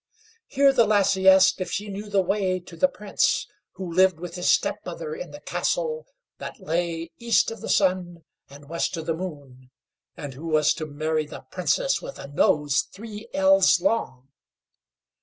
Here the lassie asked if she knew the way to the Prince, who lived with his step mother in the Castle, that lay East of the Sun and West of the Moon, and who was to marry the Princess with a nose three ells long.